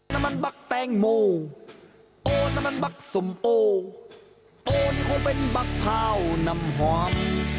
น้ำมันบักแตงโมโอน้ำมันบักสมโอโอนี่คงเป็นบักข้าวน้ำหอม